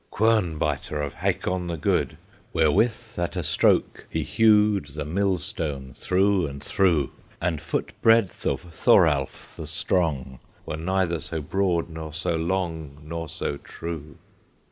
"Quern biter of Hakon the Good, Wherewith at a stroke he hewed The millstone through and through, And Foot breadth of Thoralf the Strong, Were neither so broad nor so long, Nor so true."